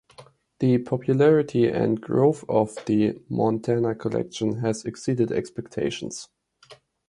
The popularity and growth of the "Montana Collection" has exceeded expectations.